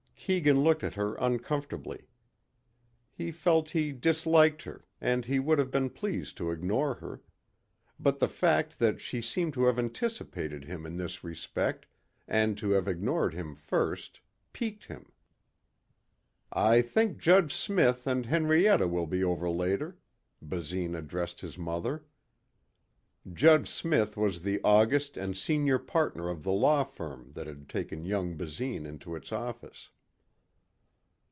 Keegan looked at her uncomfortably. He felt he disliked her and he would have been pleased to ignore her. But the fact that she seemed to have anticipated him in this respect and to have ignored him first, piqued him. "I think Judge Smith and Henrietta will be over later," Basine addressed his mother. Judge Smith was the august and senior partner of the law firm that had taken young Basine into its office.